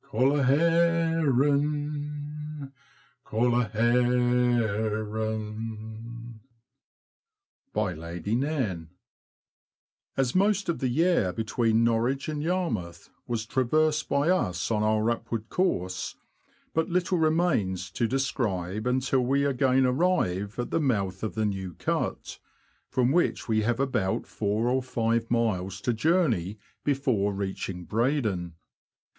Caller herrin' ! Caller herrin* ! Lady Nairne. ^^^^S most of the Yare between Norwich and \^^A Yarmouth was traversed by us on our up ^^^^ ward course, but little remains to describe until we again arrive at the mouth of the New Cut, from which we have about four or five miles to journey before reaching Breydon.